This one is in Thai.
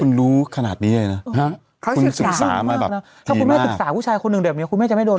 คุณรู้ขนาดนี้เลยนะ